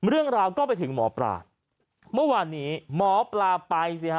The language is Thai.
เรื่องราวก็ไปถึงหมอปลาเมื่อวานนี้หมอปลาไปสิฮะ